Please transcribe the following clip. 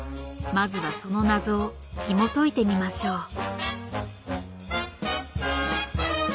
まずはその謎を紐解いてみましょう。